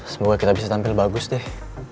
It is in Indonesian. semoga kita bisa tampil bagus deh